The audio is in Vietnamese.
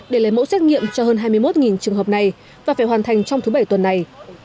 để lấy mẫu xét nghiệm cho hơn hai mươi một trường hợp này và phải hoàn thành trong thứ bảy tuần này